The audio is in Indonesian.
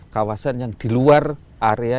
kawasan yang di luar area